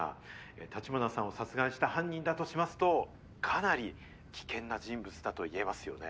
橘さんを殺害した犯人だとしますとかなり危険な人物だといえますよね。